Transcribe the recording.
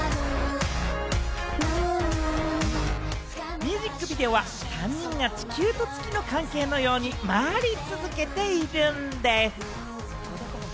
ミュージックビデオは３人が地球と月の関係のように回り続けているんです。